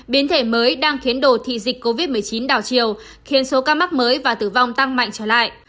biến thể mới đang khiến đồ thị dịch covid một mươi chín đảo chiều khiến số ca mắc mới và tử vong tăng mạnh trở lại